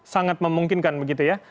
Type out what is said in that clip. sangat memungkinkan begitu ya